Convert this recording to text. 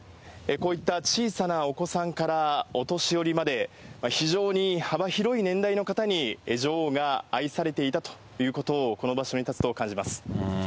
こういった小さなお子さんからお年寄りまで、非常に幅広い年代の方に女王が愛されていたということをこの場所に立つと感じます。